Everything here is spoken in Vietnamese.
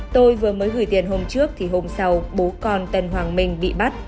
tôi vừa mới gửi tiền hôm trước thì hôm sau bố con tân hoàng minh bị bắt